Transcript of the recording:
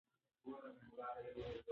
جهاني صاحب د کلمو په کارولو کي ماهر دی.